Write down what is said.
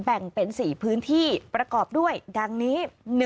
แบ่งเป็น๔พื้นที่ประกอบด้วยดังนี้